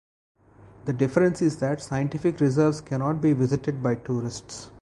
The difference is that scientific reserves can not be visited by tourists.